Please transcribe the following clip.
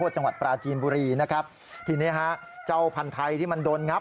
จังหวัดปราจีนบุรีนะครับทีนี้ฮะเจ้าพันธ์ไทยที่มันโดนงับ